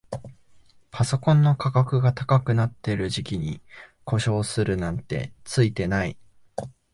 パソコンの価格が高くなってる時期に故障するなんてツイてない